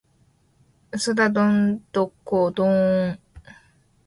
嘘だドンドコドーン！